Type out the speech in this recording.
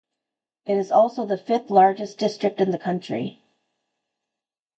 It is also the fifth largest district in the country.